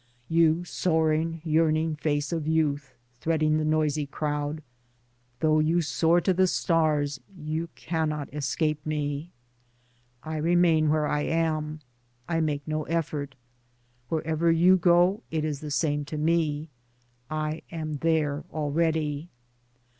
You, soaring yearning face of youth threading the noisy crowd, though you soar to the stars you cannot escape me. I remain where I am. I make no effort. Wherever you go it is the same to me : I am there already.